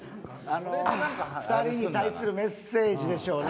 ２人に対するメッセージでしょうね。